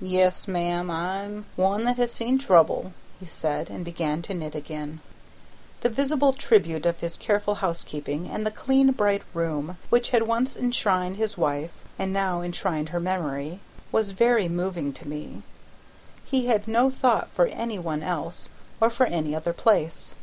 "Yes, ma'am, I'm one that has seen trouble," he said, and began to knit again. The visible tribute of his careful housekeeping, and the clean bright room which had once enshrined his wife, and now enshrined her memory, was very moving to me; he had no thought for any one else or for any other place.